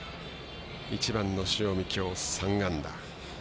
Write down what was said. １番の塩見、きょう３安打。